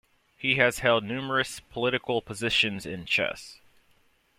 He has held numerous political positions in chess.